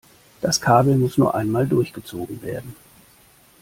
Das Kabel muss nur einmal durchgezogen werden.